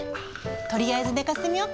とりあえず寝かせてみようか。